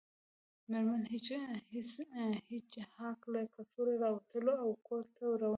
میرمن هیج هاګ له کڅوړې راووتله او کور ته روانه شوه